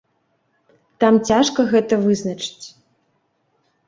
Там цяжка гэта вызначыць.